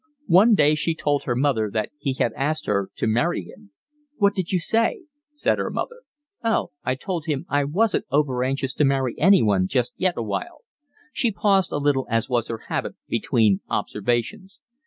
One day she told her mother that he had asked her to marry him. "What did you say?" said her mother. "Oh, I told him I wasn't over anxious to marry anyone just yet awhile." She paused a little as was her habit between observations.